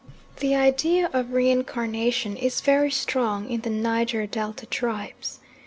The idea of reincarnation is very strong in the Niger Delta tribes.